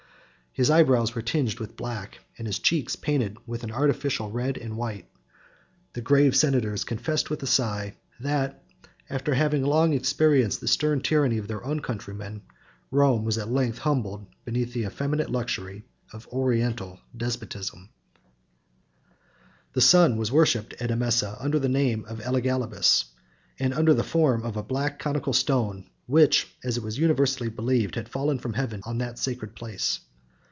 His eyebrows were tinged with black, and his cheeks painted with an artificial red and white. 51 The grave senators confessed with a sigh, that, after having long experienced the stern tyranny of their own countrymen, Rome was at length humbled beneath the effeminate luxury of Oriental despotism. 51 (return) [ Dion, l. lxxix. p. 1363. Herodian, l. v. p. 189.] The Sun was worshipped at Emesa, under the name of Elagabalus, 52 and under the form of a black conical stone, which, as it was universally believed, had fallen from heaven on that sacred place.